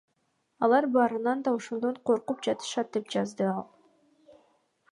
Алар баарынан да ошондон коркуп жатышат, — деп жазды ал.